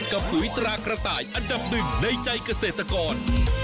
ปุ๋ยตรากระต่ายอันดับหนึ่งในใจเกษตรกร